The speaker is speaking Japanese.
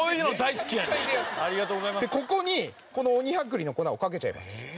ここにこの鬼剥離の粉をかけちゃいます。